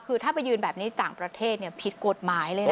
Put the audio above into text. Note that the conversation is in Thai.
คือถ้าไปยืนแบบนี้ต่างประเทศผิดกฎหมายเลยนะ